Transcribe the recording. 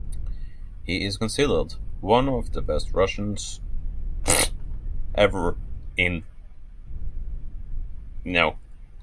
He is considered one of the best Russians ever in each of those sports.